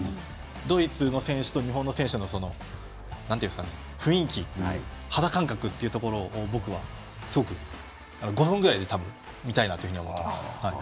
ドイツの選手と日本の選手の雰囲気、肌感覚を僕はすごく５分くらいで見たいなと思っています。